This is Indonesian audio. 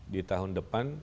di tahun depan